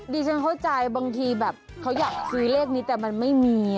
ดีฉันเข้าใจบางทีแบบเขาอยากซื้อเลขนี้แต่มันไม่มีอะไรอย่างนี้นะ